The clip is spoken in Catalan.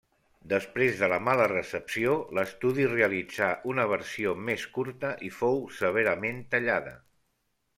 Després de la mala recepció, l'estudi realitzà una versió més curta, i fou severament tallada.